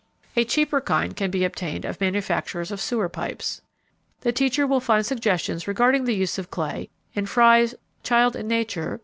A cheaper kind can be obtained of manufacturers of sewer pipes. The teacher will find suggestions regarding the use of clay in Frye's Child and Nature, pp.